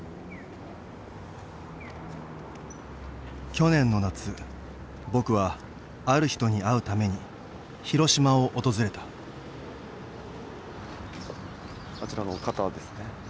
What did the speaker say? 去年の夏僕はある人に会うために広島を訪れたあちらの方ですね。